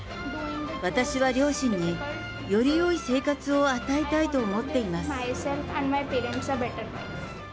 私は両親によりよい生活を与えたいと思っています。